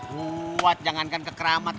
kuat jangankan ke keramat